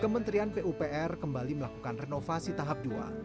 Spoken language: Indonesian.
kementerian pupr kembali melakukan renovasi tahap dua